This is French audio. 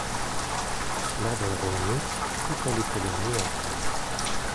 L'ordre régnait, tout allait pour le mieux en France.